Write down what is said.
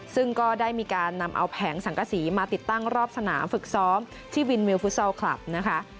ซึ่งก็ได้มีการนำเอาแผงสังกษีมาติดตั้งรอบสนามฝึกซ้อมที่วินวิวฟุตซอลคลับนะคะ